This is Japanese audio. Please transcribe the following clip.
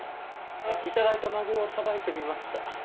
頂いたマグロをさばいてみました。